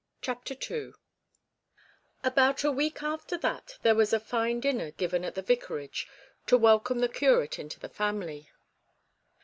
CHAPTER II About a week after that there was a fine dinner given at the vicarage to welcome the curate into the family.